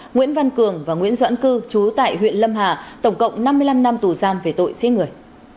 nguyễn văn cường và nguyễn doãn cư trú tại huyện lâm hà tổng cộng năm mươi năm năm tù giam về tội giết người